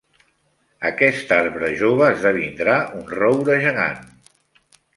Aquest arbre jove esdevindrà un roure gegant.